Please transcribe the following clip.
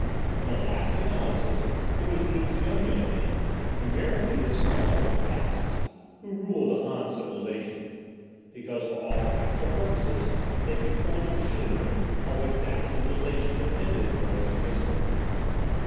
In the last analysis it was these Yun Yun men, numerically the smallest of the classes, who ruled the Han civilization, because for all practical purposes they controlled the machinery on which that civilization depended for its existence.